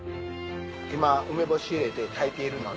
今梅干し入れて炊いているので。